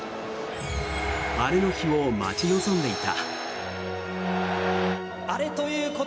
アレの日を待ち望んでいた。